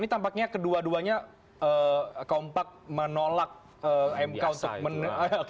ini tampaknya kedua duanya kompak menolak m count